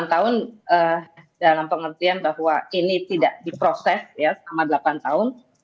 delapan tahun dalam pengertian bahwa ini tidak diproses selama delapan tahun